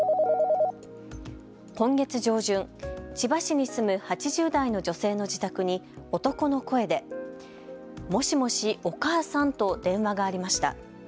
今月上旬、千葉市に住む８０代の女性の自宅に男の声でもしもし、お母さんと電話がありました。